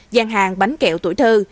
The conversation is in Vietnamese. gian hàng bánh kẹo tuổi thơ